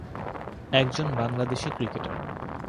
একজন বাংলাদেশী ক্রিকেটার।